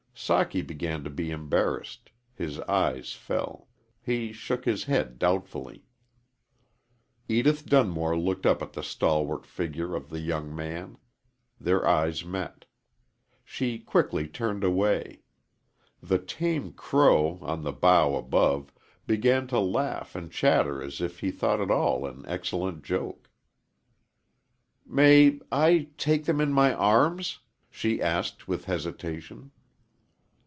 Socky began to be embarrassed; his eyes fell; he shook his head doubtfully. Edith Dunmore looked up at the stalwart figure of the young man. Their eyes met. She quickly turned away. The tame crow, on the bough above, began to laugh and chatter as if he thought it all an excellent joke. "May I take them in my arms?" she asked, with hesitation.